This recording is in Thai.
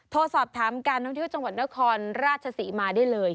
โทรสอบถามการท่องเที่ยวจังหวัดนครราชศรีมาได้เลย